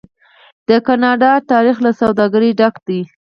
د کاناډا تاریخ له سوداګرۍ ډک دی.